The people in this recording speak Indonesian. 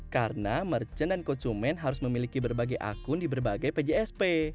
karena merchant dan konsumen harus memiliki berbagai akun di berbagai pjsp